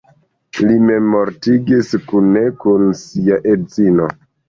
Li memmortigis kune kun sia edzino.